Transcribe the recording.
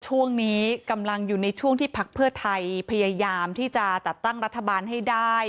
ช่วงนี้กำลังอยู่ในช่วงที่พักเพื่อไทยพยายามที่จะจัดตั้งรัฐบาลให้ได้